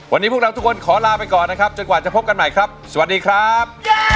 วันนี้พวกเราทุกคนขอลาไปก่อนนะครับจนกว่าจะพบกันใหม่ครับสวัสดีครับ